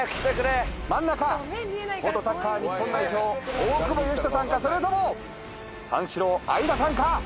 真ん中元サッカー日本代表大久保嘉人さんかそれとも三四郎相田さんか。